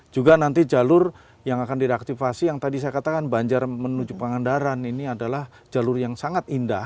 juga nanti jalur yang akan direaktivasi yang tadi saya katakan banjar menuju pangandaran ini adalah jalur yang sangat indah